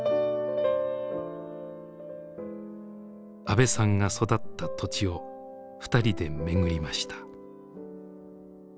阿部さんが育った土地をふたりで巡りました。